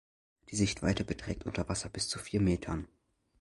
Die Sichtweite beträgt unter Wasser bis zu vier Metern.